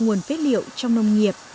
nguồn phế liệu trong nông nghiệp